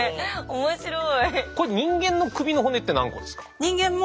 面白い。